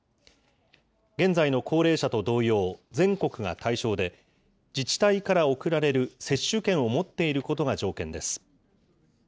現在の高齢者と同様、全国が対象で、自治体から送られる接種券を持っていることが条件です。